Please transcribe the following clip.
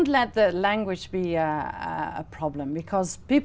trên trang web của chúng tôi